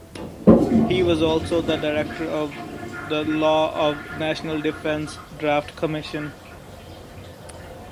He was also the director of the Law of National Defense Draft Commission.